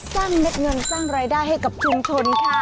เม็ดเงินสร้างรายได้ให้กับชุมชนค่ะ